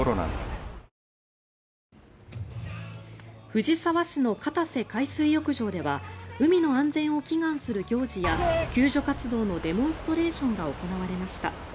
藤沢市の片瀬海水浴場では海の安全を祈願する行事や救助活動のデモンストレーションが行われました。